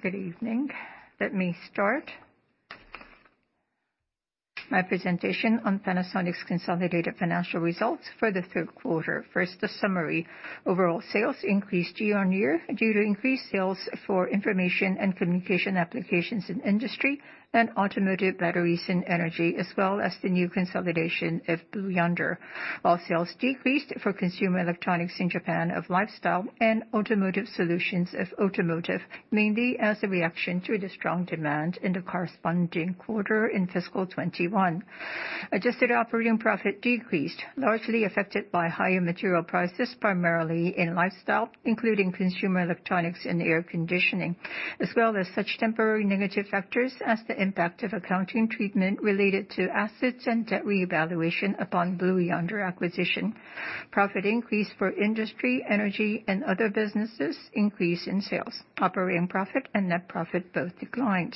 Good evening. Let me start my presentation on Panasonic's consolidated financial results for the third quarter. First, the summary. Overall sales increased year-on-year due to increased sales for information and communication applications in Industry and Automotive batteries and Energy, as well as the new consolidation of Blue Yonder. While sales decreased for consumer electronics in Japan and Lifestyle and Automotive solutions and Automotive, mainly as a reaction to the strong demand in the corresponding quarter in fiscal 2021. Adjusted operating profit decreased, largely affected by higher material prices, primarily in Lifestyle, including consumer electronics and air conditioning, as well as such temporary negative factors as the impact of accounting treatment related to assets and liabilities revaluation upon Blue Yonder acquisition. Profit increased for Industry, Energy, and other businesses due to the increase in sales. Operating profit and net profit both declined.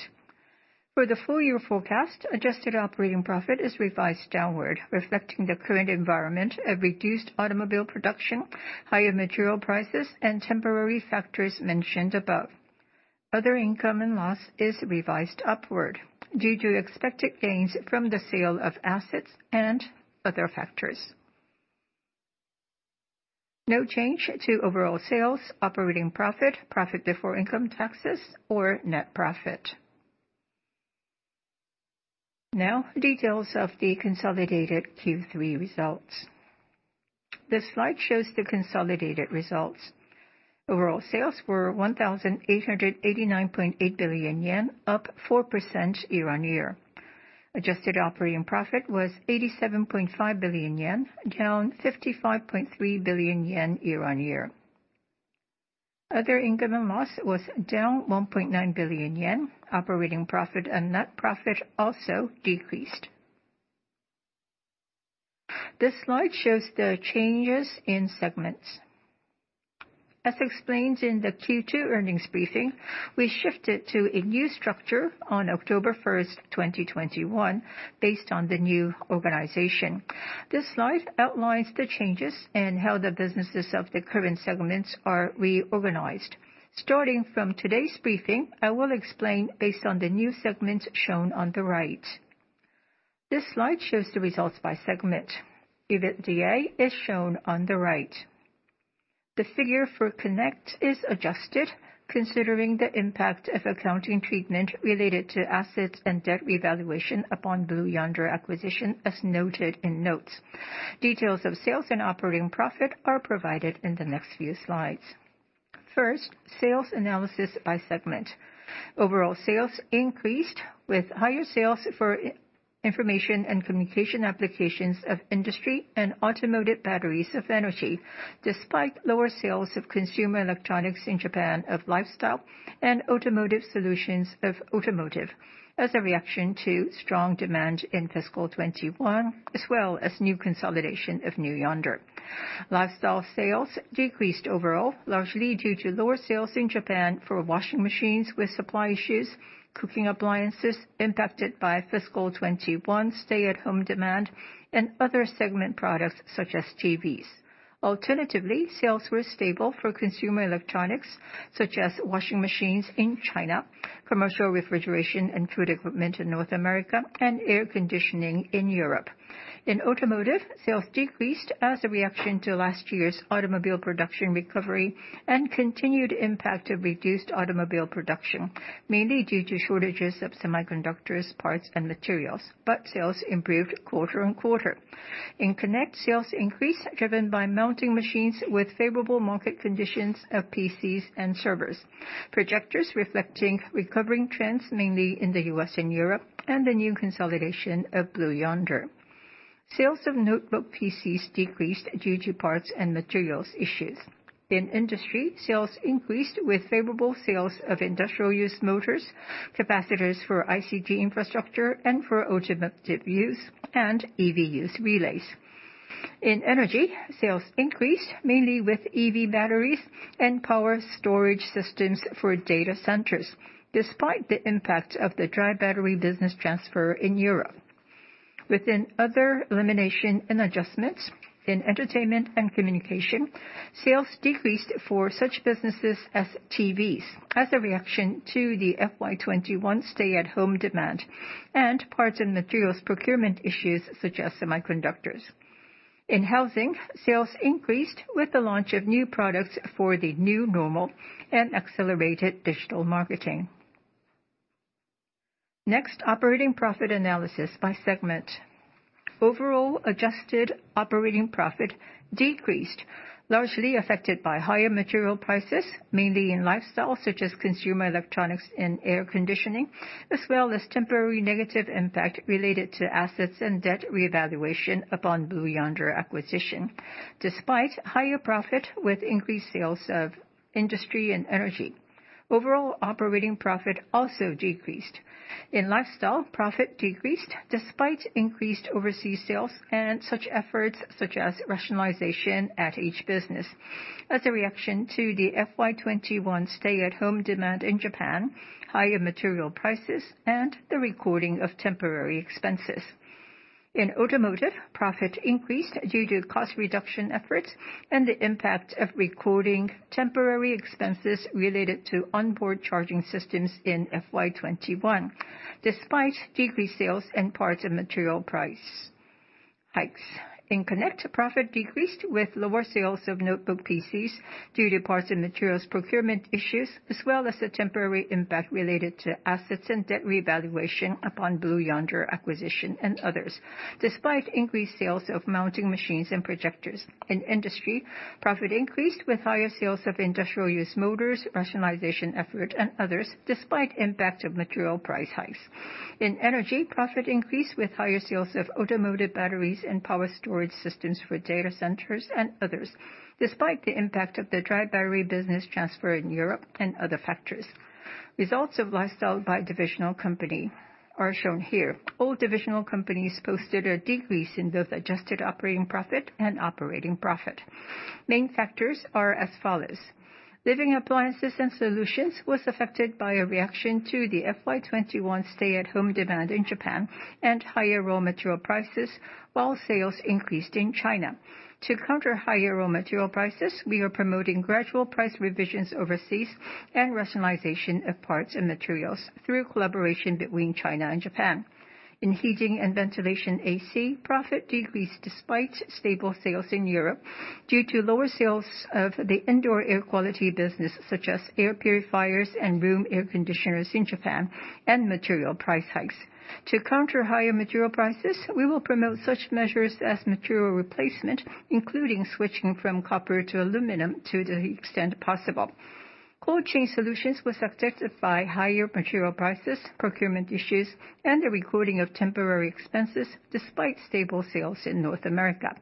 For the full year forecast, adjusted operating profit is revised downward, reflecting the current environment of reduced automobile production, higher material prices, and temporary factors mentioned above. Other income and loss is revised upward due to expected gains from the sale of assets and other factors. No change to overall sales, operating profit before income taxes, or net profit. Now, details of the consolidated Q3 results. This slide shows the consolidated results. Overall sales were 1,889.8 billion yen, up 4% year-on-year. Adjusted operating profit was 87.5 billion yen, down 55.3 billion yen year-on-year. Other income and loss was down 1.9 billion yen. Operating profit and net profit also decreased. This slide shows the changes in segments. As explained in the Q2 earnings briefing, we shifted to a new structure on October 1st 2021 based on the new organization. This slide outlines the changes and how the businesses of the current segments are reorganized. Starting from today's briefing, I will explain based on the new segments shown on the right. This slide shows the results by segment. EBITDA is shown on the right. The figure for Connect is adjusted considering the impact of accounting treatment related to assets and debt revaluation upon Blue Yonder acquisition, as noted in notes. Details of sales and operating profit are provided in the next few slides. First, sales analysis by segment. Overall sales increased with higher sales for information and communication applications of industry and automotive batteries of energy, despite lower sales of consumer electronics in Japan of lifestyle and automotive solutions of automotive as a reaction to strong demand in fiscal 2021, as well as new consolidation of Blue Yonder. Lifestyle sales decreased overall, largely due to lower sales in Japan for washing machines with supply issues, cooking appliances impacted by fiscal 2021 stay-at-home demand, and other segment products such as TVs. Alternatively, sales were stable for consumer electronics such as washing machines in China, commercial refrigeration and food equipment in North America, and air conditioning in Europe. In Automotive, sales decreased as a reaction to last year's automobile production recovery and continued impact of reduced automobile production, mainly due to shortages of semiconductors, parts, and materials, but sales improved quarter-on-quarter. In Connect, sales increased, driven by mounting machines with favorable market conditions of PCs and servers, projectors reflecting recovering trends, mainly in the U.S. and Europe, and the new consolidation of Blue Yonder. Sales of notebook PCs decreased due to parts and materials issues. In Industry, sales increased with favorable sales of industrial use motors, capacitors for ICT infrastructure and for automotive use, and EV relays. In Energy, sales increased mainly with EV batteries and power storage systems for data centers, despite the impact of the dry battery business transfer in Europe. Within other elimination and adjustments in entertainment and communication, sales decreased for such businesses as TVs as a reaction to the FY 2021 stay-at-home demand and parts and materials procurement issues such as semiconductors. In Housing, sales increased with the launch of new products for the new normal and accelerated digital marketing. Next, operating profit analysis by segment. Overall adjusted operating profit decreased, largely affected by higher material prices, mainly in Lifestyle such as consumer electronics and air conditioning, as well as temporary negative impact related to assets and debt reevaluation upon Blue Yonder acquisition. Despite higher profit with increased sales of Industry and Energy, overall operating profit also decreased. In Lifestyle, profit decreased despite increased overseas sales and such efforts such as rationalization at each business as a reaction to the FY 2021 stay-at-home demand in Japan, higher material prices, and the recording of temporary expenses. In Automotive, profit increased due to cost reduction efforts and the impact of recording temporary expenses related to on-board charging systems in FY 2021, despite decreased sales and parts and material price hikes. In Connect, profit decreased with lower sales of notebook PCs due to parts and materials procurement issues, as well as the temporary impact related to assets and debt revaluation upon Blue Yonder acquisition and others, despite increased sales of mounting machines and projectors. In Industry, profit increased with higher sales of industrial use motors, rationalization effort and others despite impact of material price hikes. In Energy, profit increased with higher sales of automotive batteries and power storage systems for data centers and others, despite the impact of the dry battery business transfer in Europe and other factors. Results of Lifestyle by divisional company are shown here. All divisional companies posted a decrease in both adjusted operating profit and operating profit. Main factors are as follows. Living Appliances and Solutions was affected by a reaction to the FY 2021 stay-at-home demand in Japan and higher raw material prices, while sales increased in China. To counter higher raw material prices, we are promoting gradual price revisions overseas and rationalization of parts and materials through collaboration between China and Japan. In Heating and Ventilation A/C, profit decreased despite stable sales in Europe due to lower sales of the indoor air quality business, such as air purifiers and room air conditioners in Japan and material price hikes. To counter higher material prices, we will promote such measures as material replacement, including switching from copper to aluminum to the extent possible. Cold Chain Solutions was affected by higher material prices, procurement issues, and the recording of temporary expenses despite stable sales in North America.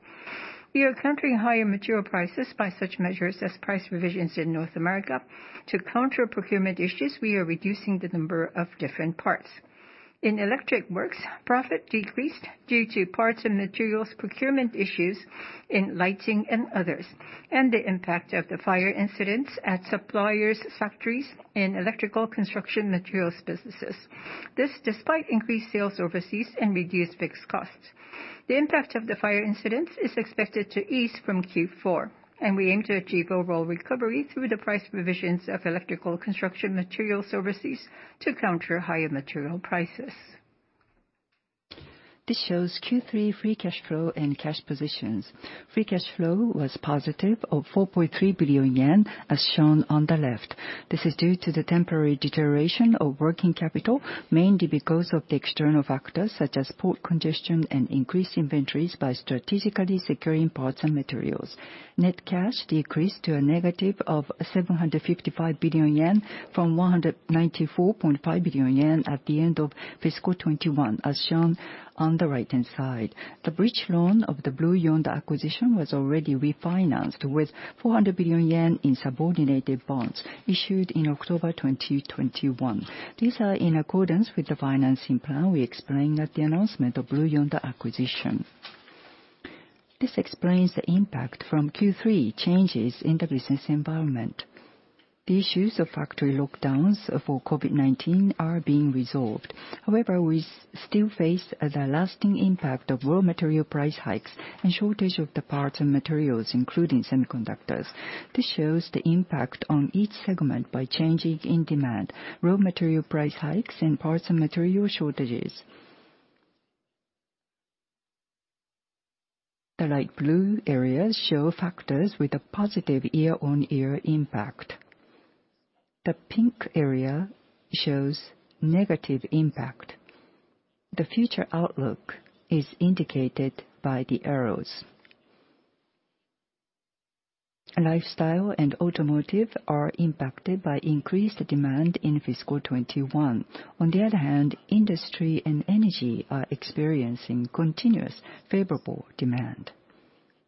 We are countering higher material prices by such measures as price revisions in North America. To counter procurement issues, we are reducing the number of different parts. In Electric Works, profit decreased due to parts and materials procurement issues in lighting and others, and the impact of the fire incidents at suppliers' factories in Electrical Construction Materials businesses. This despite increased sales overseas and reduced fixed costs. The impact of the fire incidents is expected to ease from Q4, and we aim to achieve overall recovery through the price revisions of Electrical Construction Materials overseas to counter higher material prices. This shows Q3 free cash flow and cash positions. Free cash flow was positive of 4.3 billion yen, as shown on the left. This is due to the temporary deterioration of working capital, mainly because of the external factors such as port congestion and increased inventories by strategically securing parts and materials. Net cash decreased to a negative of 755 billion yen from 194.5 billion yen at the end of FY 2021, as shown on the right-hand side. The bridge loan of the Blue Yonder acquisition was already refinanced with 400 billion yen in subordinated bonds issued in October 2021. These are in accordance with the financing plan we explained at the announcement of Blue Yonder acquisition. This explains the impact from Q3 changes in the business environment. The issues of factory lockdowns for COVID-19 are being resolved. However, we still face the lasting impact of raw material price hikes and shortage of the parts and materials, including semiconductors. This shows the impact on each segment by changes in demand, raw material price hikes, and parts and material shortages. The light blue areas show factors with a positive year-on-year impact. The pink area shows negative impact. The future outlook is indicated by the arrows. Lifestyle and automotive are impacted by increased demand in FY 2021. On the other hand, industry and energy are experiencing continuous favorable demand.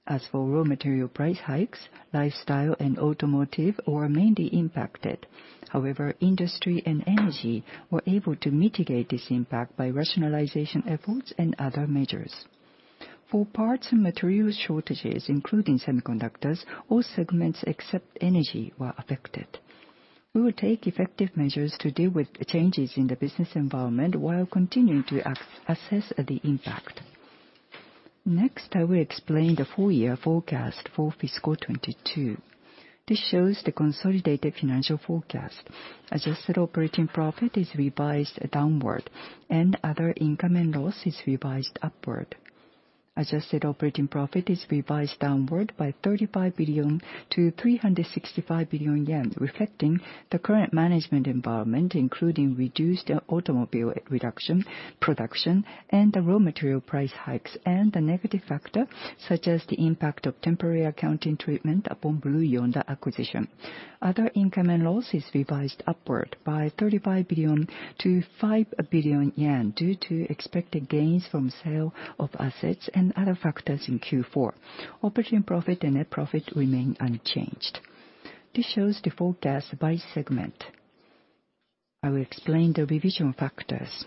As for raw material price hikes, lifestyle and automotive were mainly impacted. However, industry and energy were able to mitigate this impact by rationalization efforts and other measures. For parts and materials shortages, including semiconductors, all segments except energy were affected. We will take effective measures to deal with changes in the business environment while continuing to assess the impact. Next, I will explain the full year forecast for FY 2022. This shows the consolidated financial forecast. Adjusted operating profit is revised downward and other income and loss is revised upward. Adjusted operating profit is revised downward by 35 billion-365 billion yen, reflecting the current management environment, including reduced automobile production and the raw material price hikes, and the negative factor, such as the impact of temporary accounting treatment upon Blue Yonder acquisition. Other income and loss is revised upward by 35 billion-5 billion yen due to expected gains from sale of assets and other factors in Q4. Operating profit and net profit remain unchanged. This shows the forecast by segment. I will explain the revision factors.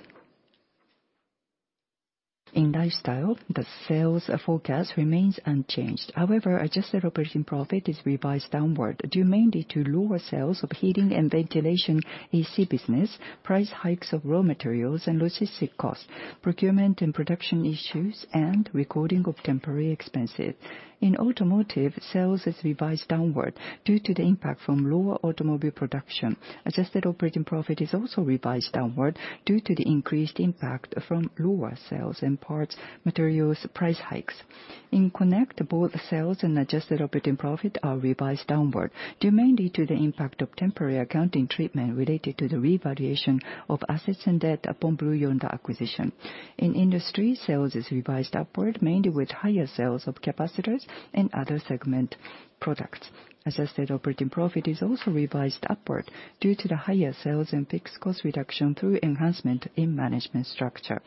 In Lifestyle, the sales forecast remains unchanged. However, adjusted operating profit is revised downward due mainly to lower sales of Heating and Ventilation A/C business, price hikes of raw materials and logistics costs, procurement and production issues, and recording of temporary expenses. In Automotive, sales is revised downward due to the impact from lower automobile production. Adjusted operating profit is also revised downward due to the increased impact from lower sales and parts and materials price hikes. In Connect, both sales and adjusted operating profit are revised downward due mainly to the impact of temporary accounting treatment related to the revaluation of assets and debt upon Blue Yonder acquisition. In Industry, sales is revised upward, mainly with higher sales of capacitors and other segment products. Adjusted operating profit is also revised upward due to the higher sales and fixed cost reduction through enhancement in management structure.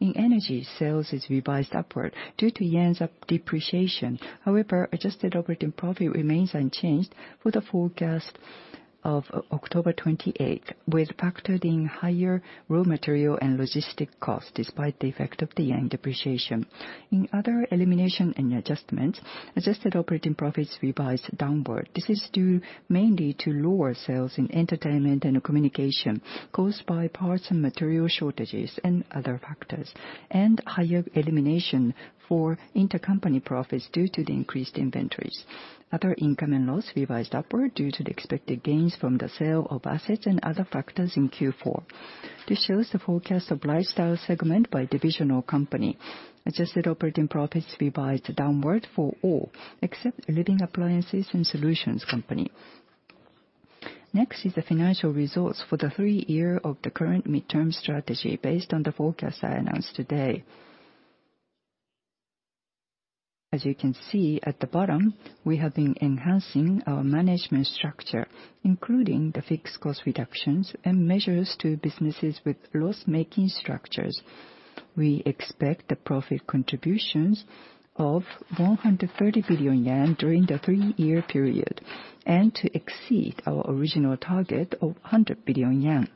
In Energy, sales is revised upward due to yen's depreciation. However, adjusted operating profit remains unchanged for the forecast of October 28, factoring in higher raw material and logistics costs despite the effect of the yen depreciation. In Other Elimination and Adjustments, adjusted operating profit is revised downward. This is due mainly to lower sales in Entertainment & Communication caused by parts and material shortages and other factors, and higher elimination for intercompany profits due to the increased inventories. Other income and loss is revised upward due to the expected gains from the sale of assets and other factors in Q4. This shows the forecast of Lifestyle segment by divisional company. Adjusted operating profit is revised downward for all, except Living Appliances and Solutions Company. Next is the financial results for the three-year of the current midterm strategy based on the forecast I announced today. As you can see at the bottom, we have been enhancing our management structure, including the fixed cost reductions and measures to businesses with loss-making structures. We expect the profit contributions of 130 billion yen during the three-year period, and to exceed our original target of 100 billion yen.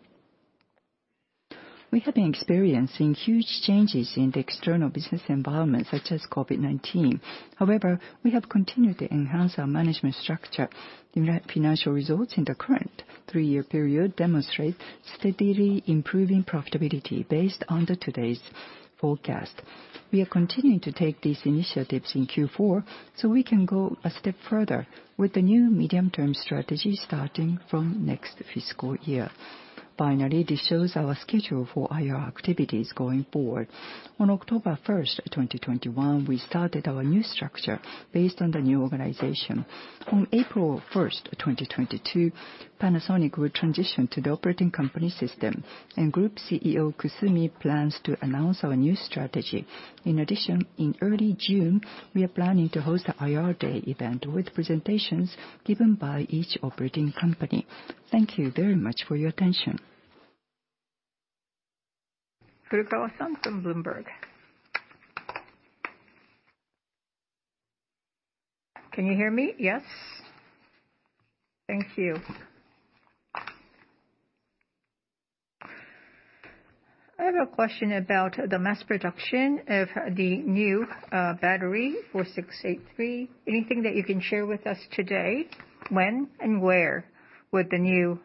We have been experiencing huge changes in the external business environment such as COVID-19. However, we have continued to enhance our management structure. The financial results in the current three-year period demonstrate steadily improving profitability based on today's forecast. We are continuing to take these initiatives in Q4, so we can go a step further with the new medium-term strategy starting from next fiscal year. Finally, this shows our schedule for IR activities going forward. On October 1st 2021, we started our new structure based on the new organization. On April 1st 2022, Panasonic will transition to the Operating Company System, and Group CEO Kusumi plans to announce our new strategy. In addition, in early June, we are planning to host an IR Day event with presentations given by each operating company. Thank you very much for your attention. Furukawa-san from Bloomberg. Can you hear me? Yes. Thank you. I have a question about the mass production of the new 4680 battery. Anything that you can share with us today? When and where would the new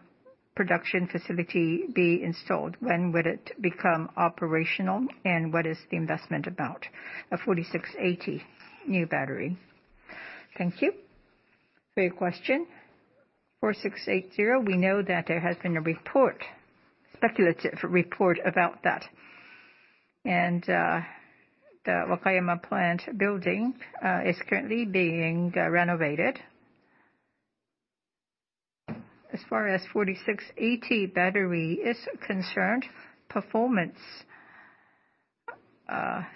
production facility be installed? When would it become operational? And what is the investment about the 4680 new battery? Thank you for your question. 4680, we know that there has been a report, speculative report about that. The Wakayama plant building is currently being renovated. As far as 4680 battery is concerned, performance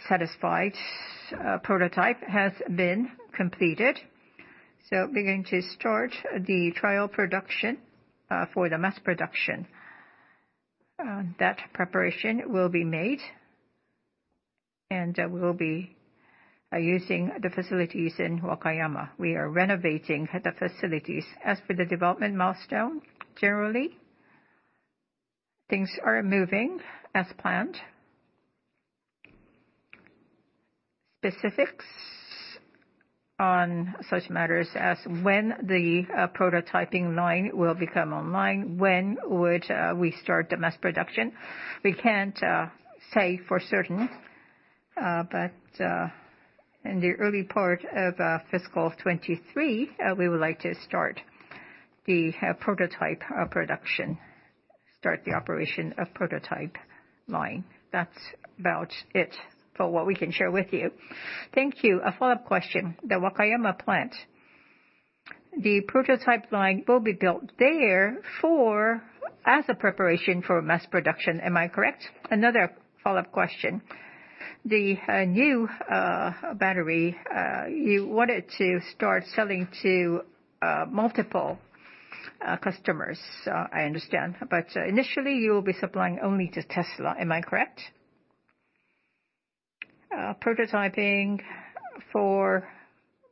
satisfied prototype has been completed. We're going to start the trial production for the mass production. That preparation will be made, and we will be using the facilities in Wakayama. We are renovating the facilities. As for the development milestone, generally, things are moving as planned. Specifics on such matters as when the prototyping line will become online, when would we start the mass production, we can't say for certain, but in the early part of fiscal 2023, we would like to start the prototype production. Start the operation of prototype line. That's about it for what we can share with you. Thank you. A follow-up question. The Wakayama plant, the prototype line will be built there as a preparation for mass production. Am I correct? Another follow-up question. The new battery you wanted to start selling to multiple customers, I understand. Initially, you will be supplying only to Tesla. Am I correct? Prototyping for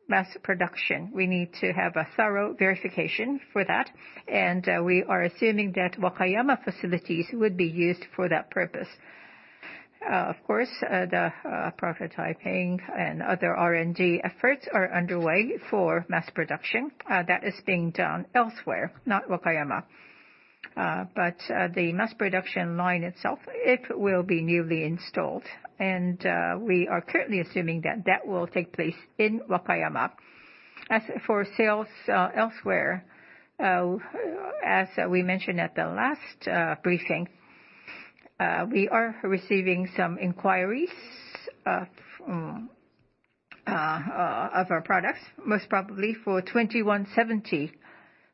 mass production. We need to have a thorough verification for that, and we are assuming that Wakayama facilities would be used for that purpose. Of course, the prototyping and other R&D efforts are underway for mass production, that is being done elsewhere, not Wakayama. The mass production line itself, it will be newly installed, and we are currently assuming that that will take place in Wakayama. As for sales elsewhere, as we mentioned at the last briefing, we are receiving some inquiries of our products, most probably for 2170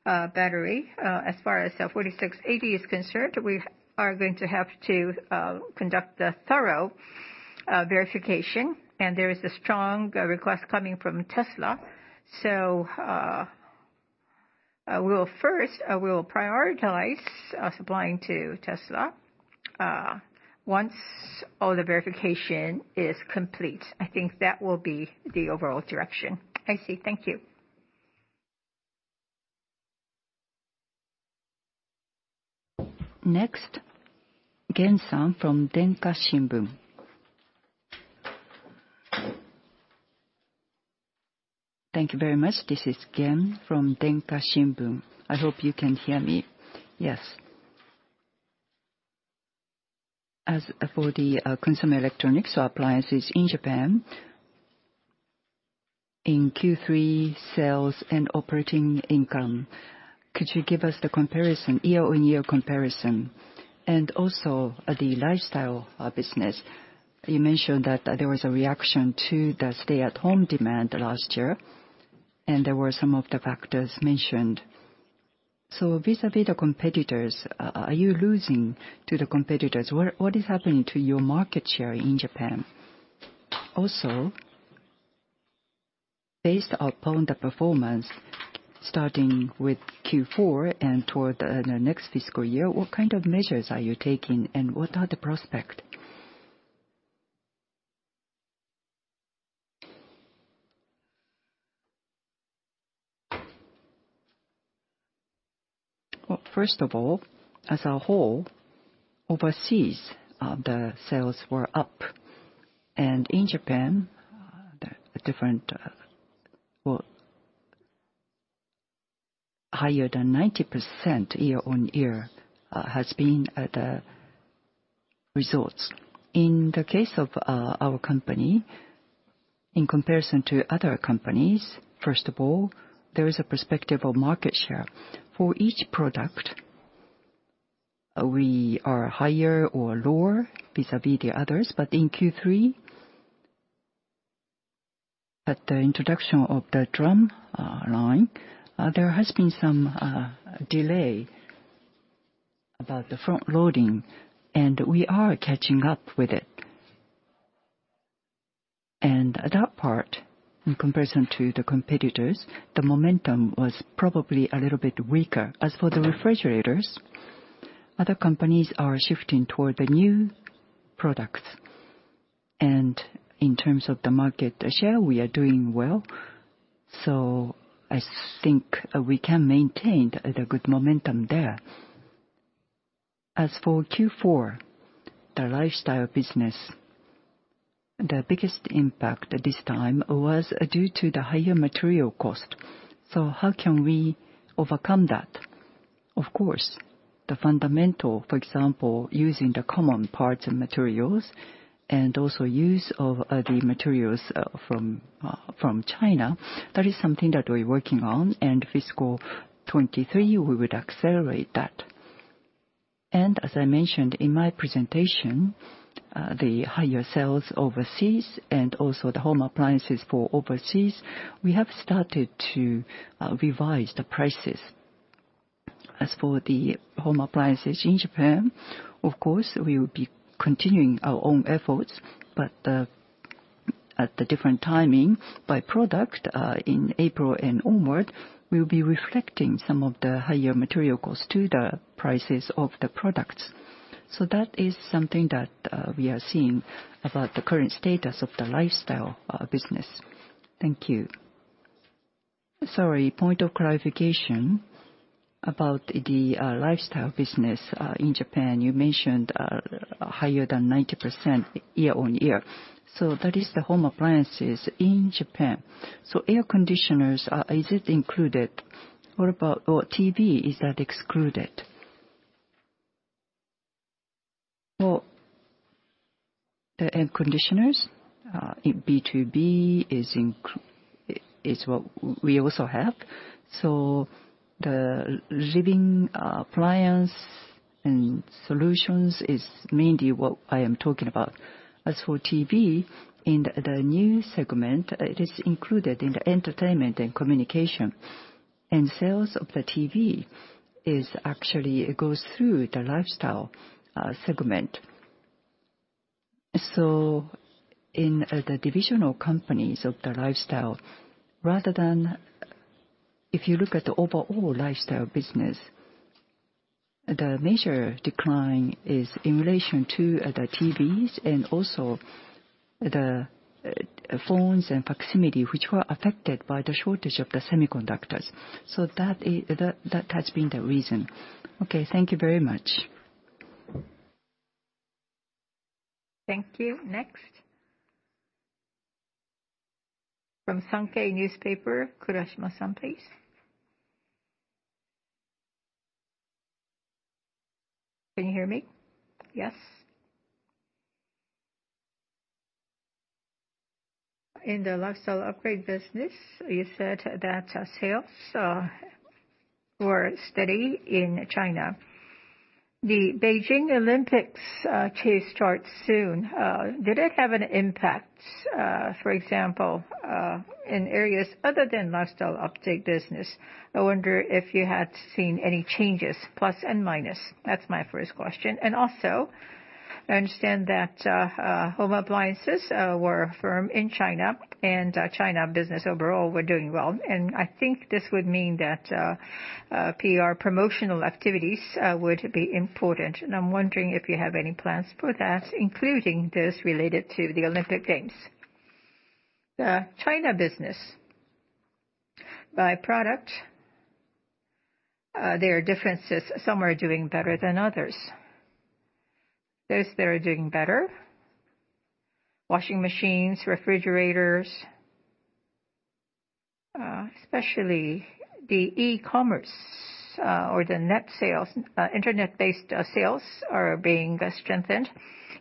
battery. As far as the 4680 is concerned, we are going to have to conduct a thorough verification, and there is a strong request coming from Tesla. We will prioritize supplying to Tesla once all the verification is complete. I think that will be the overall direction. I see. Thank you. Next, Gen-san from Denki Shimbun. Thank you very much. This is Gen from Denki Shimbun. I hope you can hear me. Yes. As for the consumer electronics appliances in Japan in Q3 sales and operating income, could you give us the comparison, year-on-year comparison? Also, the Lifestyle business, you mentioned that there was a reaction to the stay-at-home demand last year, and there were some of the factors mentioned. Vis-à-vis the competitors, are you losing to the competitors? What is happening to your market share in Japan? Also, based upon the performance starting with Q4 and toward the next fiscal year, what kind of measures are you taking, and what are the prospects? First of all, as a whole, overseas, the sales were up. Well, higher than 90% year-over-year has been the results. In the case of our company, in comparison to other companies, first of all, there is a perspective of market share. For each product, we are higher or lower vis-à-vis the others. In Q3, at the introduction of the drum line, there has been some delay about the front-loading, and we are catching up with it. At that part, in comparison to the competitors, the momentum was probably a little bit weaker. As for the refrigerators, other companies are shifting toward the new products. In terms of the market share, we are doing well, so I think we can maintain the good momentum there. As for Q4, the Lifestyle segment, the biggest impact at this time was due to the higher material cost. How can we overcome that? Of course, the fundamental, for example, using the common parts and materials, and also use of the materials from China, that is something that we're working on. FY 2023, we would accelerate that. As I mentioned in my presentation, the higher sales overseas and also the home appliances for overseas, we have started to revise the prices. As for the home appliances in Japan, of course, we will be continuing our own efforts, but at the different timing by product, in April and onward, we will be reflecting some of the higher material costs to the prices of the products. That is something that we are seeing about the current status of the Lifestyle business. Thank you. Sorry, point of clarification about the Lifestyle business in Japan. You mentioned higher than 90% year-on-year. That is the home appliances in Japan. Air conditioners, is it included? What about TV, is that excluded? Well, the air conditioners in B2B is what we also have. The Living Appliances and Solutions is mainly what I am talking about. As for TV, in the new segment, it is included in the Entertainment & Communication.Sales of the TV is actually, it goes through the Lifestyle segment. In the divisional companies of the Lifestyle, rather than if you look at the overall Lifestyle business. The major decline is in relation to the TVs and also the phones and intercom systems, which were affected by the shortage of the semiconductors. That has been the reason. Okay, thank you very much. Thank you. Next. From Sankei Shimbun, Kurashima-san, please. Can you hear me? Yes. In the lifestyle upgrade business, you said that sales were steady in China. The Beijing Olympics to start soon, did it have an impact, for example, in areas other than lifestyle upgrade business? I wonder if you had seen any changes, plus and minus. That's my first question. Also, I understand that home appliances were firm in China, and China business overall were doing well. I think this would mean that PR promotional activities would be important. I'm wondering if you have any plans for that, including those related to the Olympic Games. The China business. By product, there are differences. Some are doing better than others. Those that are doing better, washing machines, refrigerators, especially the e-commerce, or the net sales. Internet-based sales are being strengthened,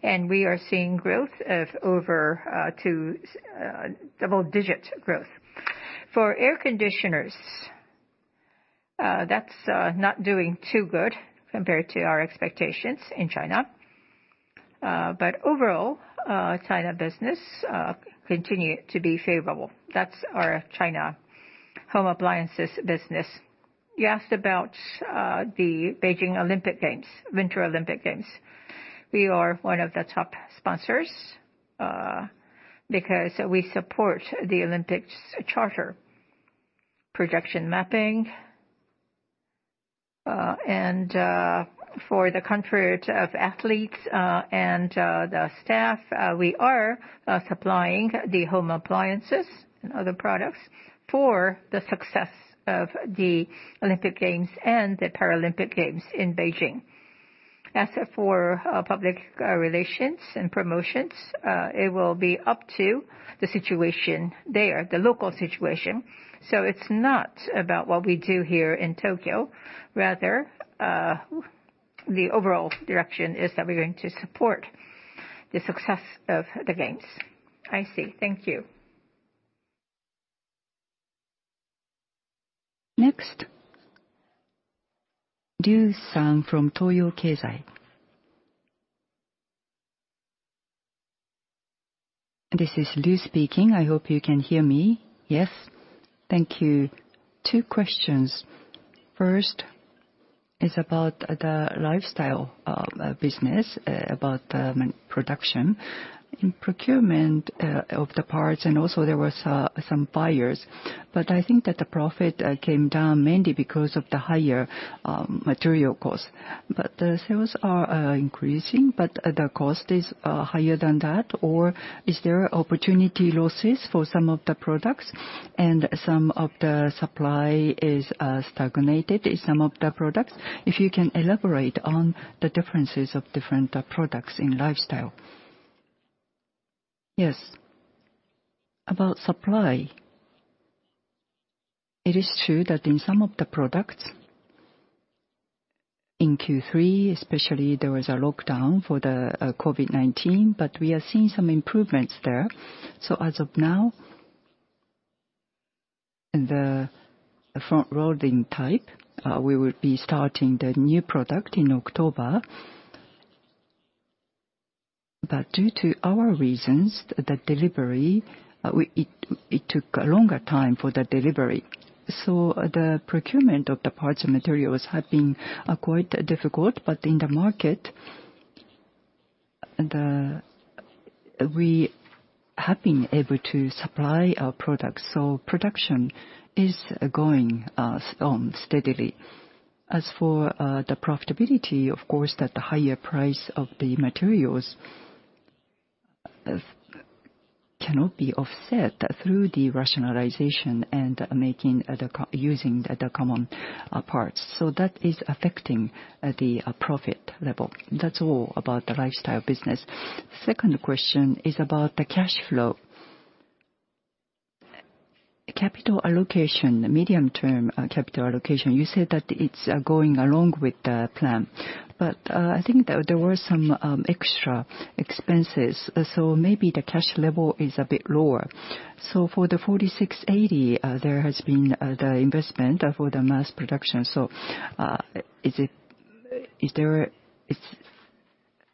and we are seeing double-digit growth. For air conditioners, that's not doing too good compared to our expectations in China. Overall, China business continue to be favorable. That's our China home appliances business. You asked about the Beijing Olympic Games, Winter Olympic Games. We are one of the top sponsors because we support the Olympic Charter. Projection mapping and for the comfort of athletes and the staff, we are supplying the home appliances and other products for the success of the Olympic Games and the Paralympic Games in Beijing. As for public relations and promotions, it will be up to the situation there, the local situation. It's not about what we do here in Tokyo. Rather, the overall direction is that we're going to support the success of the games. I see. Thank you. Next, Liu-san from Toyo Keizai. This is Liu speaking. I hope you can hear me. Yes. Thank you. Two questions. First is about the lifestyle business about production. In procurement of the parts and also there was some buyers. I think that the profit came down mainly because of the higher material cost. The sales are increasing, but the cost is higher than that? Or is there opportunity losses for some of the products and some of the supply is stagnated in some of the products? If you can elaborate on the differences of different products in lifestyle. Yes. About supply, it is true that in some of the products in Q3 especially, there was a lockdown for the COVID-19, but we are seeing some improvements there. As of now, the front-loading type, we will be starting the new product in October. Due to our reasons, the delivery, it took a longer time for the delivery. The procurement of the parts and materials have been quite difficult. In the market, we have been able to supply our products, so production is going on steadily. As for the profitability, of course, that the higher price of the materials cannot be offset through the rationalization and using the common parts. That is affecting the profit level. That's all about the Lifestyle business. Second question is about the cash flow. Capital allocation, medium-term capital allocation. You said that it's going along with the plan, but I think there were some extra expenses, so maybe the cash level is a bit lower. For the 4680, there has been the investment for the mass production.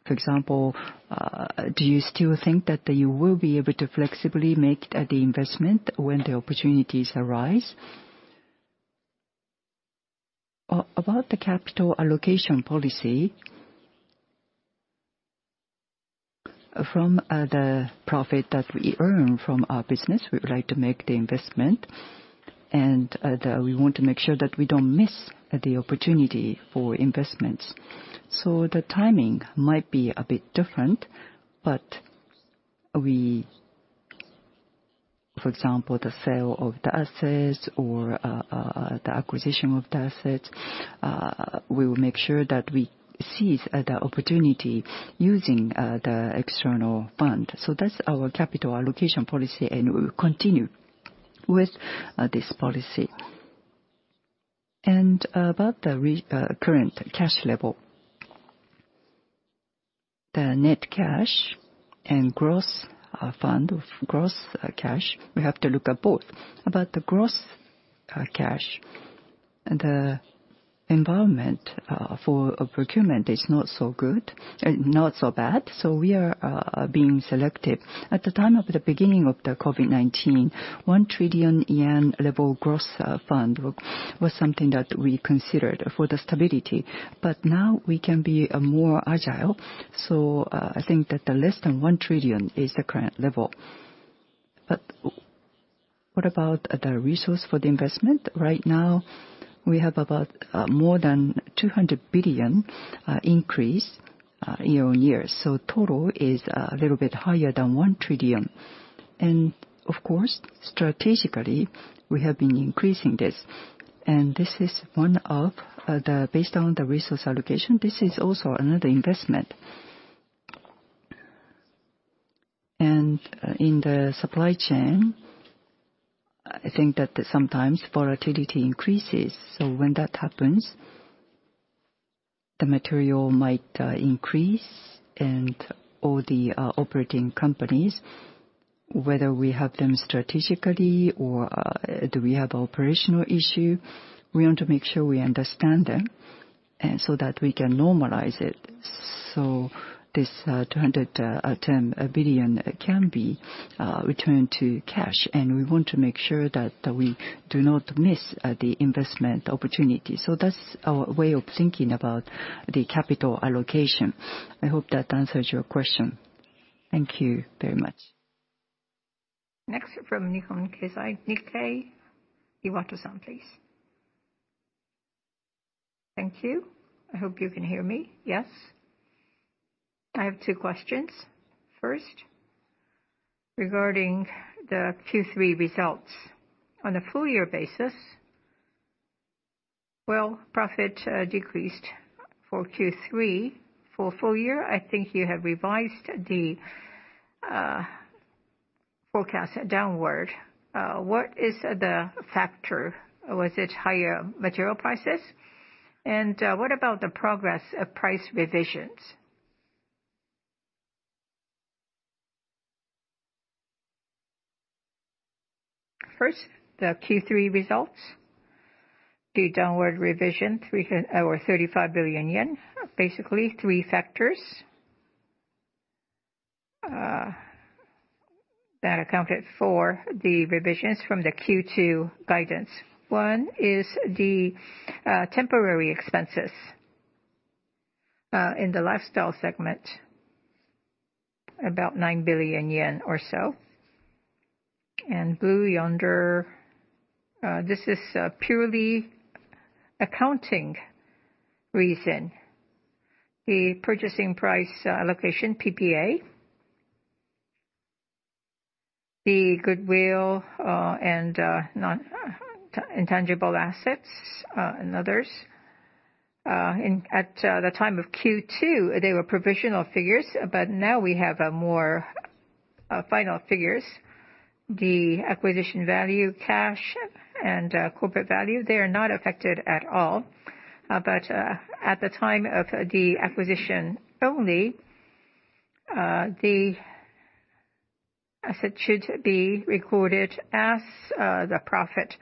For example, do you still think that you will be able to flexibly make the investment when the opportunities arise? About the capital allocation policy. From the profit that we earn from our business, we would like to make the investment, and we want to make sure that we don't miss the opportunity for investments. The timing might be a bit different, but we... For example, the sale of the assets or the acquisition of the assets, we will make sure that we seize the opportunity using the external fund. That's our capital allocation policy, and we will continue with this policy. About the current cash level. The net cash and gross fund of gross cash, we have to look at both. About the gross cash, the environment for procurement is not so good, not so bad, we are being selective. At the time of the beginning of the COVID-19, 1 trillion yen level gross fund was something that we considered for the stability, but now we can be more agile. I think that less than 1 trillion is the current level. What about the resource for the investment? Right now, we have about more than 200 billion year-on-year increase. Total is a little bit higher than 1 trillion. Of course, strategically, we have been increasing this. This is one of the based on the resource allocation, this is also another investment. In the supply chain, I think that sometimes volatility increases. When that happens, the material might increase and all the operating companies, whether we have them strategically or do we have operational issue, we want to make sure we understand them so that we can normalize it. This 210 billion can be returned to cash. We want to make sure that we do not miss the investment opportunity. That's our way of thinking about the capital allocation. I hope that answers your question. Thank you very much. Next from Nihon Keizai, Nikkei, Iwata-san, please. Thank you. I hope you can hear me. Yes. I have two questions. First, regarding the Q3 results. On a full year basis, profit decreased for Q3. For full year, I think you have revised the forecast downward. What is the factor? Was it higher material prices? What about the progress of price revisions? First, the Q3 results. The downward revision, 35 billion yen. Basically, three factors that accounted for the revisions from the Q2 guidance. One is the temporary expenses in the lifestyle segment, about 9 billion yen or so. Blue Yonder, this is a purely accounting reason. The Purchase Price Allocation, PPA. The goodwill and intangible assets and others. At the time of Q2, they were provisional figures, but now we have more final figures. The acquisition value cash and corporate value, they are not affected at all. But at the time of the acquisition only, the asset should be recorded as the profit.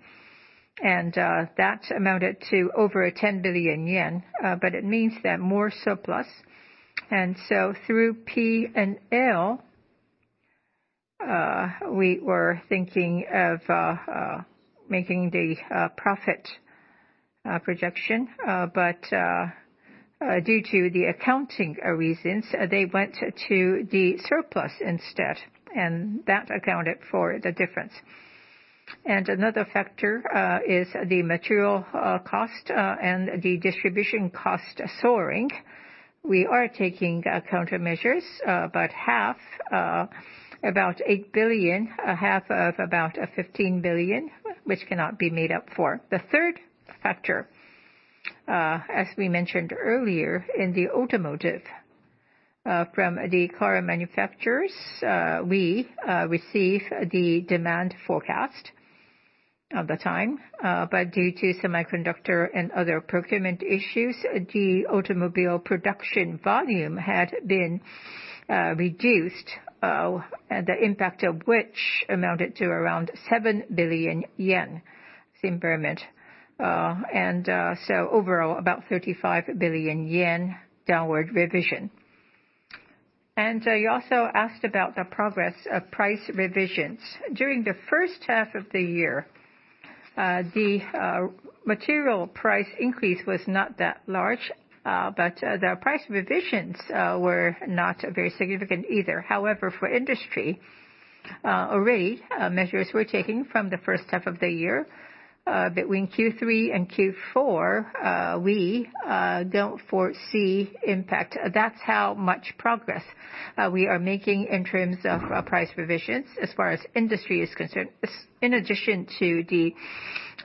That amounted to over 10 billion yen, but it means they're more surplus. Through P&L, we were thinking of making the profit projection. Due to the accounting reasons, they went to the surplus instead, and that accounted for the difference. Another factor is the material cost and the distribution cost soaring. We are taking countermeasures, but half, about 8 billion, half of about 15 billion, which cannot be made up for. The third factor, as we mentioned earlier, in the automotive, from the car manufacturers, we receive the demand forecast at the time. But due to semiconductor and other procurement issues, the automobile production volume had been reduced, and the impact of which amounted to around 7 billion yen impairment. Overall, about 35 billion yen downward revision. You also asked about the progress of price revisions. During the first half of the year. The material price increase was not that large, but the price revisions were not very significant either. However, for industry, already measures were taken from the H1 of the year, between Q3 and Q4. We don't foresee impact. That's how much progress we are making in terms of price revisions as far as industry is concerned, in addition to the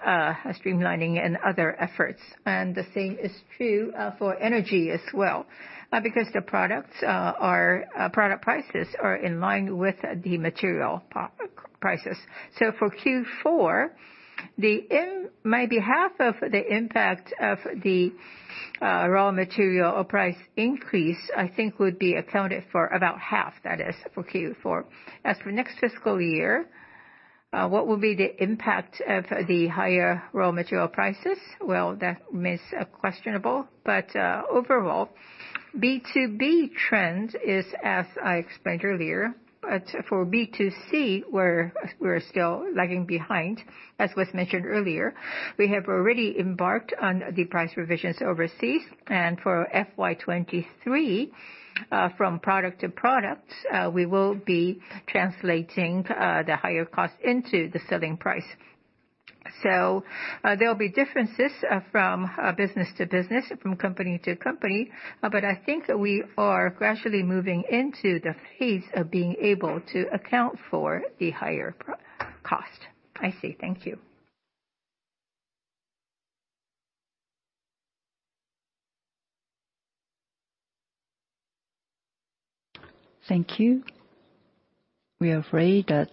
streamlining and other efforts. The same is true for energy as well, because the product prices are in line with the material prices. For Q4, maybe half of the impact of the raw material price increase, I think would be accounted for about half, that is, for Q4. As for next fiscal year, what will be the impact of the higher raw material prices? Well, that remains questionable. Overall, B2B trend is, as I explained earlier. For B2C, we're still lagging behind, as was mentioned earlier. We have already embarked on the price revisions overseas, and for FY 2023, from product to product, we will be translating the higher cost into the selling price. There will be differences from business to business, from company to company, but I think we are gradually moving into the phase of being able to account for the higher cost. I see. Thank you. Thank you. We are afraid that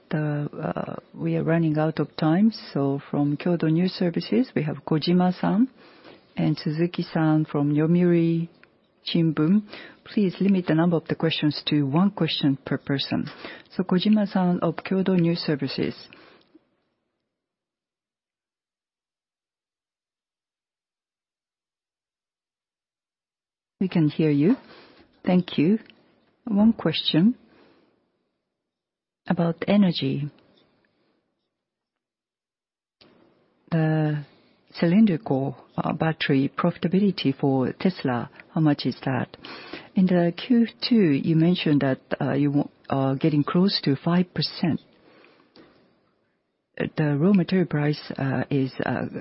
we are running out of time. From Kyodo News, we have Kojima-san, and Suzuki-san from Yomiuri Shimbun. Please limit the number of the questions to one question per person. Kojima-san of Kyodo News Services. We can hear you. Thank you. One question about energy. The cylindrical battery profitability for Tesla, how much is that? In the Q2, you mentioned that you are getting close to 5%. The raw material price is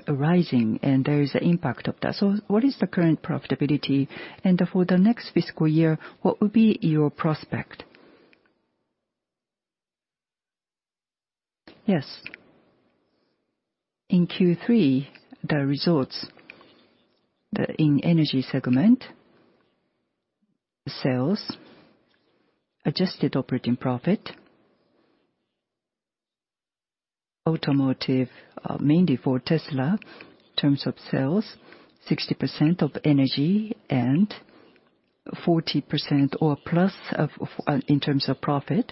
rising, and there is an impact of that. What is the current profitability? And for the next fiscal year, what would be your prospect? Yes. In Q3, the results in energy segment, sales, adjusted operating profit, automotive mainly for Tesla in terms of sales, 60% of energy and 40% or plus of in terms of profit.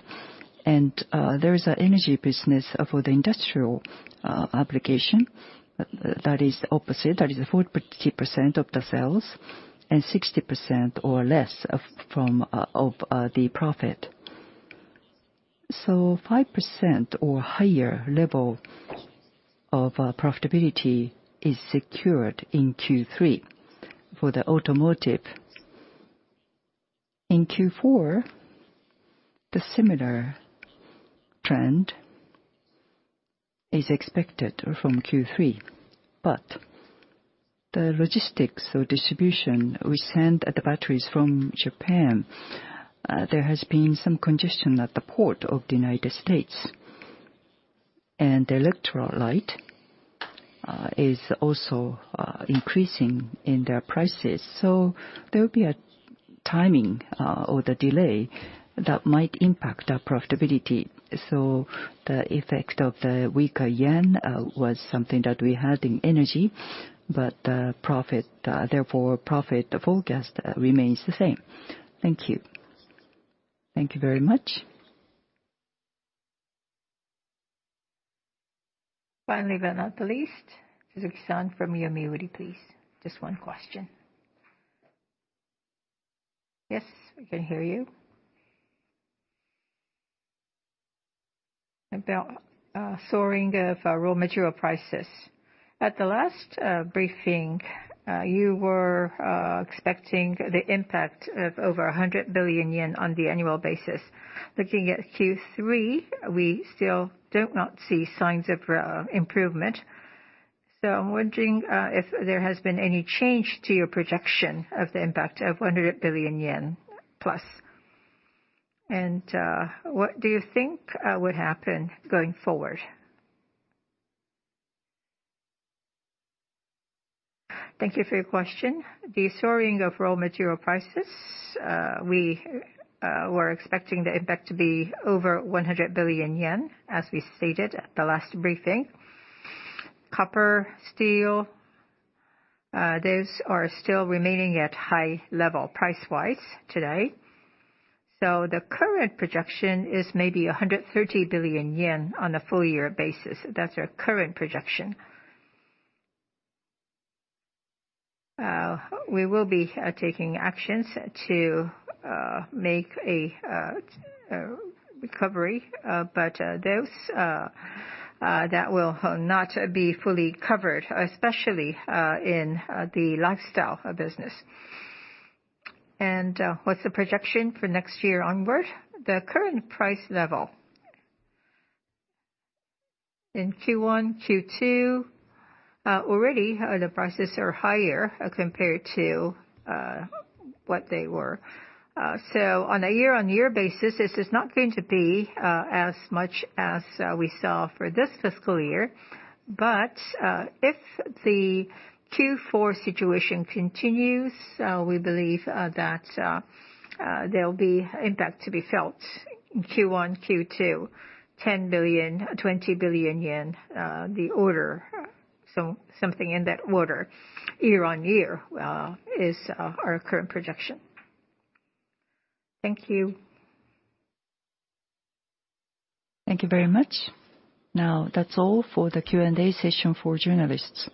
There is an energy business for the industrial application that is the opposite. That is the 40% of the sales and 60% or less of the profit. Five percent or higher level of profitability is secured in Q3 for the automotive. In Q4, the similar trend is expected from Q3. The logistics or distribution, we send the batteries from Japan. There has been some congestion at the port of the United States. Electrolyte is also increasing in their prices. There will be a timing or the delay that might impact our profitability. The effect of the weaker yen was something that we had in energy, but profit forecast remains the same. Thank you. Thank you very much. Finally, but not the least, Suzuki-san from Yomiuri, please. Just one question. Yes, we can hear you. About soaring of raw material prices. At the last briefing, you were expecting the impact of over 100 billion yen on the annual basis. Looking at Q3, we still do not see signs of improvement. I'm wondering if there has been any change to your projection of the impact of 100 billion yen plus. What do you think would happen going forward? Thank you for your question. The soaring of raw material prices, we were expecting the impact to be over 100 billion yen, as we stated at the last briefing. Copper, steel, those are still remaining at high level price-wise today. The current projection is maybe 130 billion yen on a full year basis. That's our current projection. We will be taking actions to make a recovery. Those that will not be fully covered especially in the Lifestyle business. What's the projection for next year onward? The current price level. In Q1, Q2 already the prices are higher compared to what they were. On a year-on-year basis, this is not going to be as much as we saw for this fiscal year. If the Q4 situation continues, we believe that there'll be impact to be felt in Q1, Q2, 10 billion-20 billion yen, the order. Something in that order year-on-year is our current projection. Thank you. Thank you very much. Now, that's all for the Q&A session for journalists.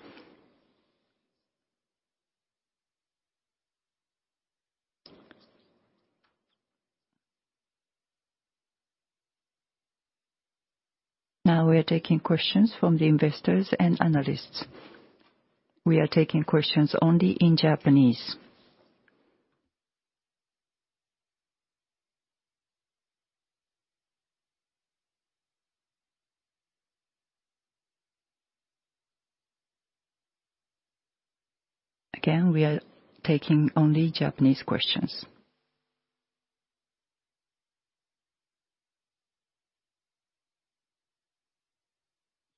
Now we are taking questions from the investors and analysts. We are taking questions only in Japanese. Again, we are taking only Japanese questions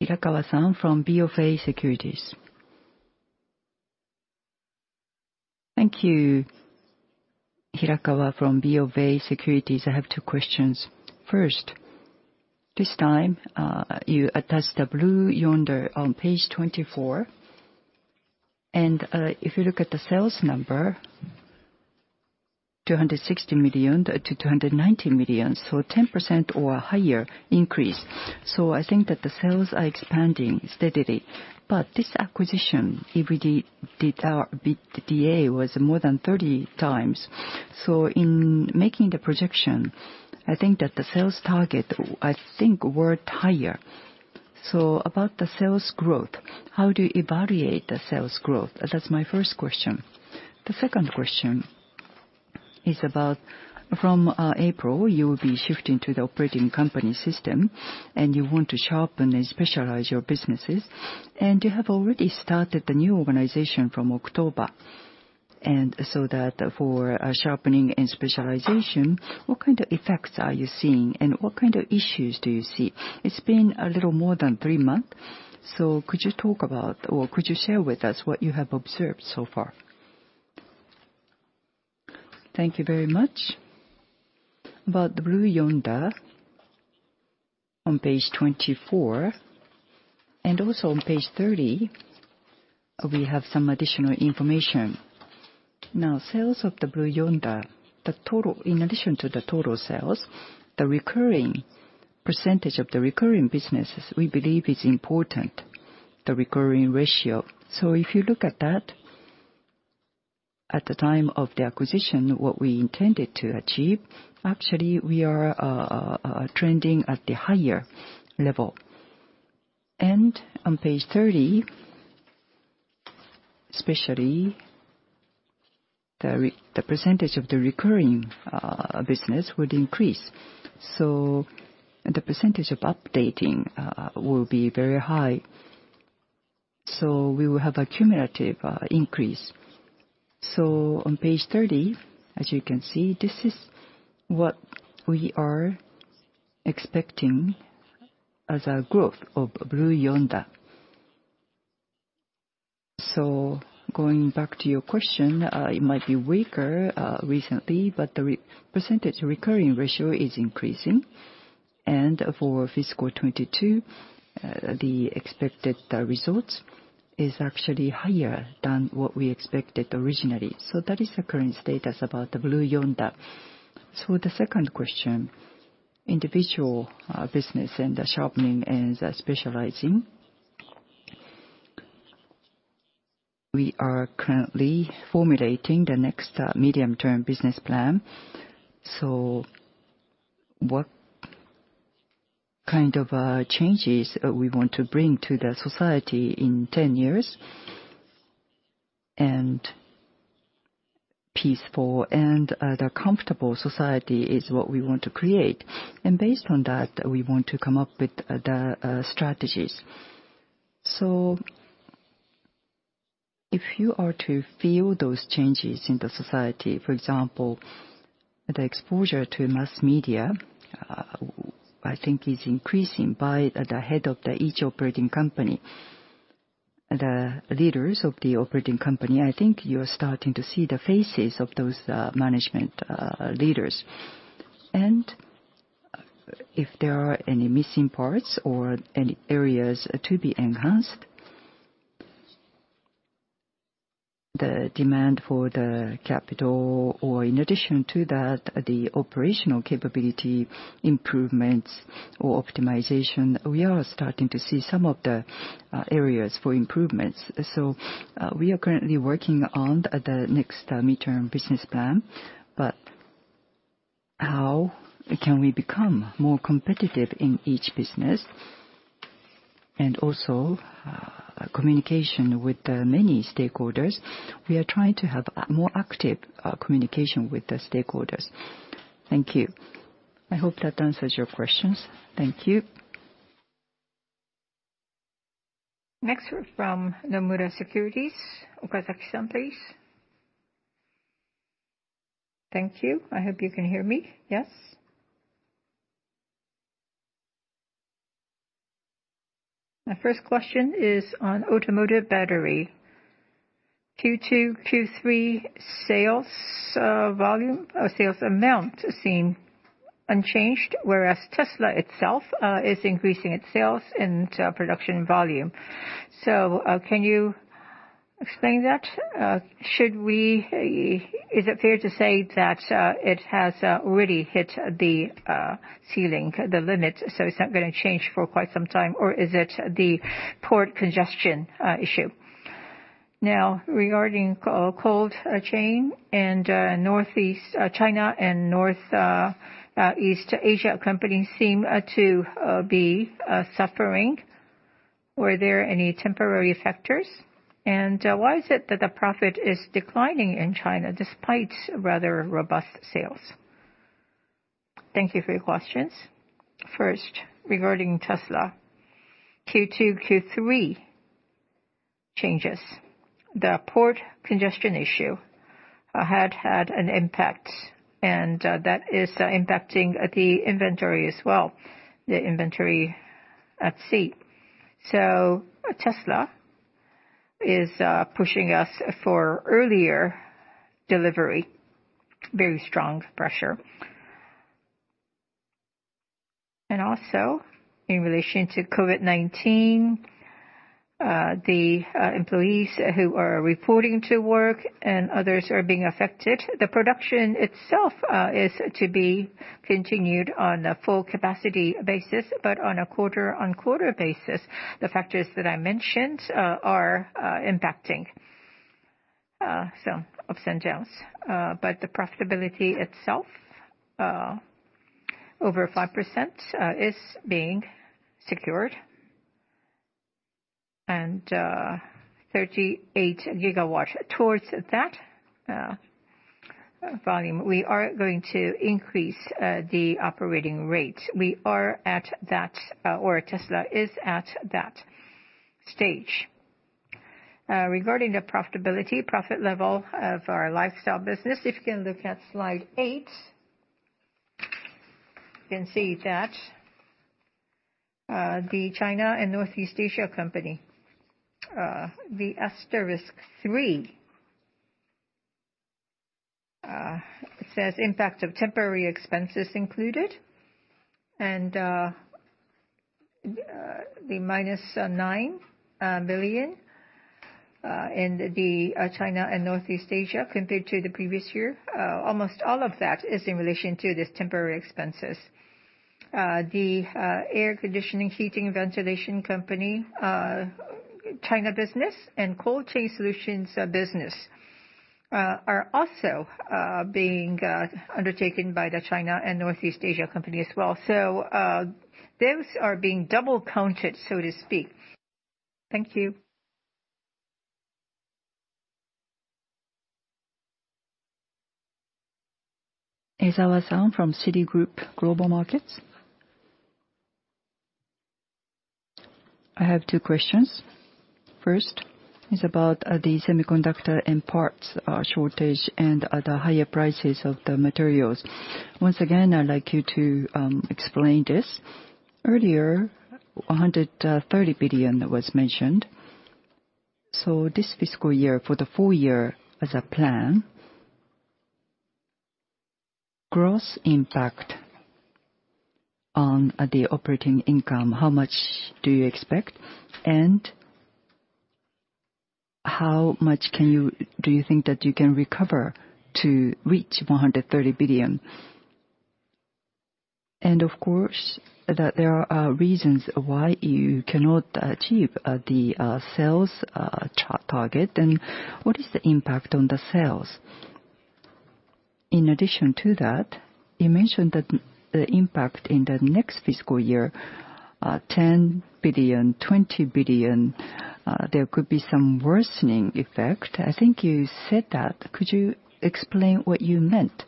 from BofA Securities. Thank you. From BofA Securities. I have two questions. First, this time, you attach the Blue Yonder on page 24. If you look at the sales number, $260 million-$290 million, so a 10% or higher increase. I think that the sales are expanding steadily. This acquisition, EBITDA was more than 30 times. In making the projection, I think that the sales target, I think, were higher. About the sales growth, how do you evaluate the sales growth? That's my first question. The second question is about from April, you will be shifting to the Operating Company System, and you want to sharpen and specialize your businesses. You have already started the new organization from October. For sharpening and specialization, what kind of effects are you seeing? What kind of issues do you see? It's been a little more than three months, so could you talk about or could you share with us what you have observed so far? Thank you very much. About the Blue Yonder on page 24 and also on page 30, we have some additional information. Now, sales of the Blue Yonder, the total in addition to the total sales, the recurring percentage of the recurring businesses, we believe is important, the recurring ratio. If you look at that, at the time of the acquisition, what we intended to achieve, actually we are trending at the higher level. On page 30, especially the percentage of the recurring business would increase. The percentage of upfront will be very high. We will have a cumulative increase. On page 30, as you can see, this is what we are expecting as a growth of Blue Yonder. Going back to your question, it might be weaker recently, but the percentage recurring ratio is increasing. For fiscal 2022, the expected results is actually higher than what we expected originally. That is the current status about the Blue Yonder. The second question, individual business and the sharpening and the specializing. We are currently formulating the next medium-term business plan. What kind of changes we want to bring to the society in 10 years. Peaceful and the comfortable society is what we want to create. Based on that, we want to come up with the strategies. If you are to feel those changes in the society, for example, the exposure to mass media, I think is increasing by the head of each Operating Company. The leaders of the Operating Company, I think you're starting to see the faces of those management leaders. If there are any missing parts or any areas to be enhanced, the demand for the capital or in addition to that, the operational capability improvements or optimization, we are starting to see some of the areas for improvements. We are currently working on the next midterm business plan, but how can we become more competitive in each business? Communication with the many stakeholders. We are trying to have a more active communication with the stakeholders. Thank you. I hope that answers your questions. Thank you. Next we're from Nomura Securities. Okazaki-san, please. Thank you. I hope you can hear me. Yes. My first question is on automotive battery. Q2, Q3 sales, volume, or sales amount seem unchanged, whereas Tesla itself is increasing its sales and production volume. Can you explain that? Is it fair to say that it has really hit the ceiling, the limit, so it's not gonna change for quite some time? Or is it the port congestion issue? Now, regarding cold chain and Northeast China and Northeast Asia companies seem to be suffering. Were there any temporary factors? Why is it that the profit is declining in China despite rather robust sales? Thank you for your questions. First, regarding Tesla Q2, Q3 changes. The port congestion issue had an impact, and that is impacting the inventory as well, the inventory at sea. Tesla is pushing us for earlier delivery, very strong pressure. Also, in relation to COVID-19, the employees who are reporting to work and others are being affected. The production itself is to be continued on a full capacity basis. But on a quarter-over-quarter basis, the factors that I mentioned are impacting. Ups and downs. But the profitability itself over 5% is being secured. 38 gigawatt toward that volume. We are going to increase the operating rate. We are at that, or Tesla is at that stage. Regarding the profitability, profit level of our Lifestyle business, if you can look at slide eight, you can see that the China and Northeast Asia Company. The asterisk 3 says impact of temporary expenses included, and the -9 billion in the China and Northeast Asia Company compared to the previous year. Almost all of that is in relation to these temporary expenses. The Air Conditioning Heating Ventilation Company China business and Cold Chain Solutions business are also being undertaken by the China and Northeast Asia Company as well. Those are being double-counted, so to speak. Thank you. Aizawa-san from Citigroup Global Markets. I have two questions. First is about the semiconductor and parts shortage and the higher prices of the materials. Once again, I'd like you to explain this. Earlier, 130 billion was mentioned. This fiscal year for the full year as a plan, gross impact on the operating income, how much do you expect? How much can you, do you think that you can recover to reach 130 billion? Of course, there are reasons why you cannot achieve the sales target. What is the impact on the sales? In addition to that, you mentioned that the impact in the next fiscal year, 10 billion-20 billion, there could be some worsening effect. I think you said that. Could you explain what you meant?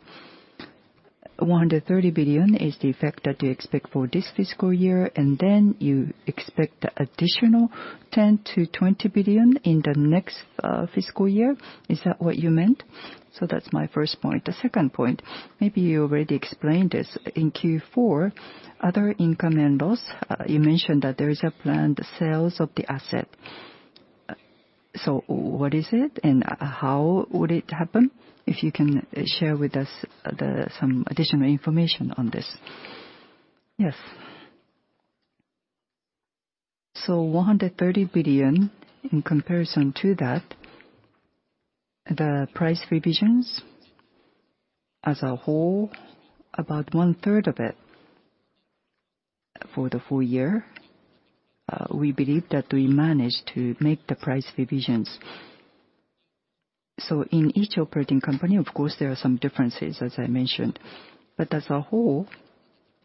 130 billion is the effect that you expect for this fiscal year, and then you expect additional 10 billion-20 billion in the next fiscal year. Is that what you meant? That's my first point. The second point, maybe you already explained this. In Q4, other income and loss, you mentioned that there is a planned sales of the asset. What is it, and how would it happen? If you can share with us some additional information on this. Yes. 130 billion, in comparison to that, the price revisions as a whole, about one-third of it. For the full year, we believe that we managed to make the price revisions. In each operating company, of course there are some differences, as I mentioned, but as a whole,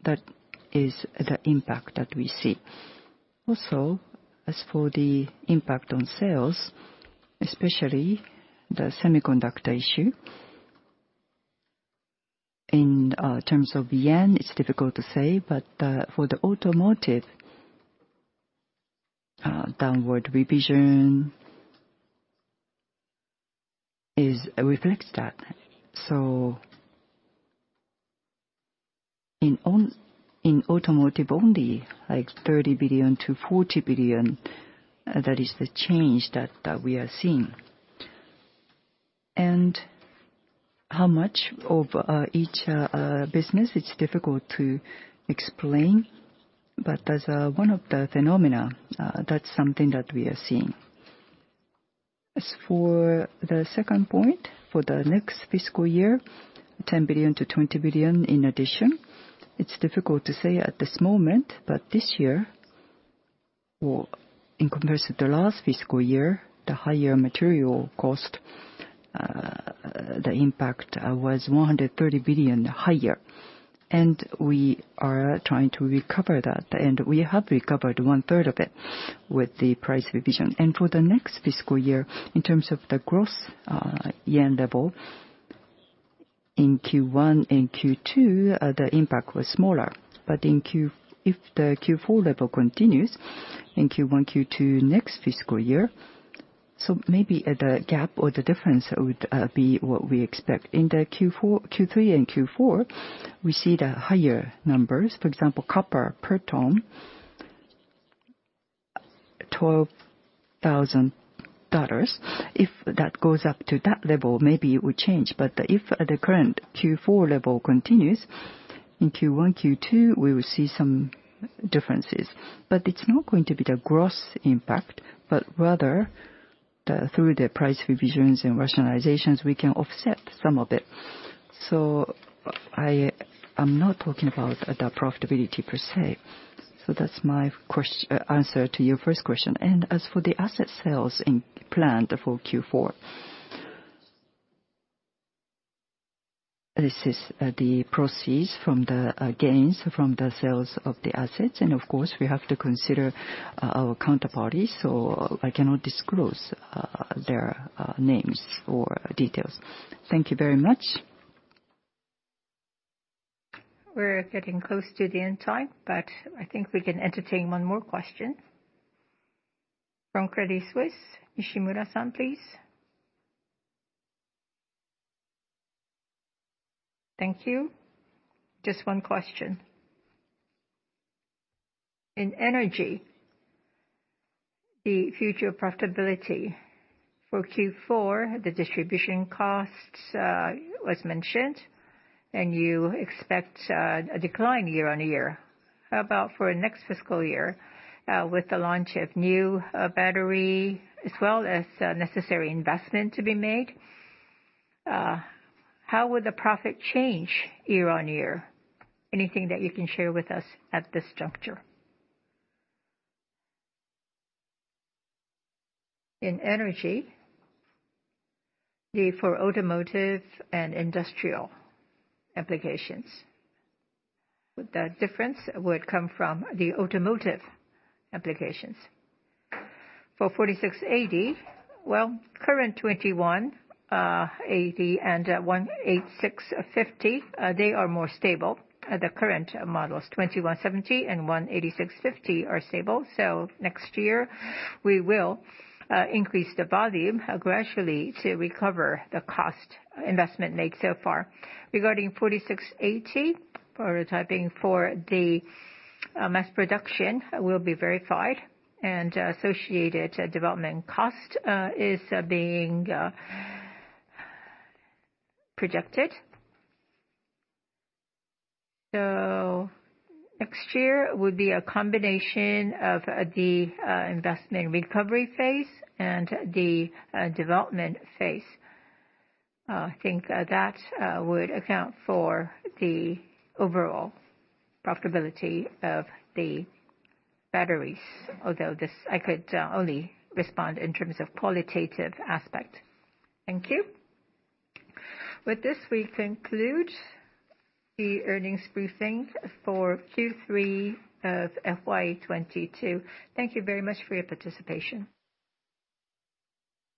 that is the impact that we see. Also, as for the impact on sales, especially the semiconductor issue, in terms of yen, it's difficult to say. For the automotive, downward revision reflects that. In automotive only, like 30 billion-40 billion, that is the change that we are seeing. How much of each business, it's difficult to explain. As one of the phenomena, that's something that we are seeing. As for the second point, for the next fiscal year, 10 billion-20 billion in addition. It's difficult to say at this moment, but this year, or in comparison to last fiscal year, the higher material cost, the impact, was 130 billion higher. We are trying to recover that. We have recovered one third of it with the price revision. For the next fiscal year, in terms of the gross yen level, in Q1 and Q2, the impact was smaller. If the Q4 level continues in Q1, Q2 next fiscal year, maybe the gap or the difference would be what we expect. In Q3 and Q4, we see the higher numbers. For example, copper per ton, $12,000. If that goes up to that level, maybe it would change. If the current Q4 level continues, in Q1, Q2, we will see some differences. It's not going to be the gross impact, but rather through the price revisions and rationalizations, we can offset some of it. I'm not talking about the profitability per se. That's my answer to your first question. As for the asset sales in plan for Q4, this is the proceeds from the gains from the sales of the assets. Of course, we have to consider our counterparties, so I cannot disclose their names or details. Thank you very much. We're getting close to the end time, but I think we can entertain one more question. From Credit Suisse, Nishimura-san, please. Thank you. Just one question. In energy, the future profitability for Q4, the distribution costs, was mentioned, and you expect a decline year-on-year. How about for next fiscal year, with the launch of new battery as well as necessary investment to be made, how would the profit change year-on-year? Anything that you can share with us at this juncture? In energy, for automotive and industrial applications, the difference would come from the automotive applications. For 4680, well, current 2170 and 18650, they are more stable. The current models, 2170 and 18650 are stable. Next year we will increase the volume gradually to recover the cost investment made so far. Regarding 4680, prototyping for the mass production will be verified and associated development cost is being projected. Next year will be a combination of the investment recovery phase and the development phase. I think that would account for the overall profitability of the batteries, although this I could only respond in terms of qualitative aspect. Thank you. With this, we conclude the earnings briefing for Q3 of FY 2022. Thank you very much for your participation.